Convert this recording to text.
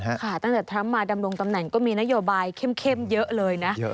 ตั้งแต่ทรัมป์มาดำรงตำแหน่งก็มีนโยบายเข้มเยอะเลยนะ